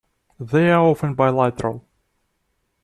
They are often bilateral.